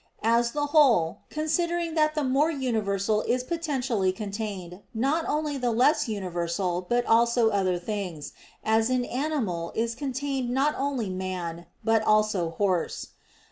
As the whole, considering that in the more universal is potentially contained not only the less universal, but also other things, as in "animal" is contained not only "man" but also "horse."